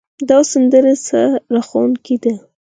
دا سندره زړه راښکونکې ده